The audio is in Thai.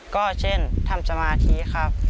ก็เช่นทำสมาธิครับ